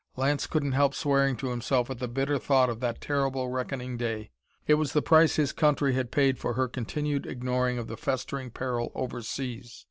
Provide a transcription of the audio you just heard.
Lance couldn't help swearing to himself at the bitter thought of that terrible reckoning day. It was the price his country had paid for her continued ignoring of the festering peril overseas.